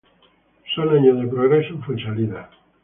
Son años de progreso en Fuensalida.